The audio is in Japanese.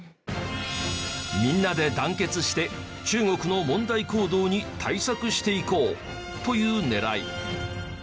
みんなで団結して中国の問題行動に対策していこうという狙い。